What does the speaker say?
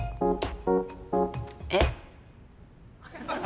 えっ？